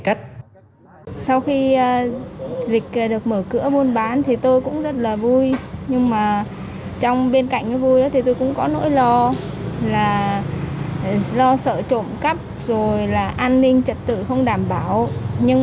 cạnh vui thì tôi cũng có nỗi lo là lo sợ trộm cắp rồi là an ninh trật tự không đảm bảo nhưng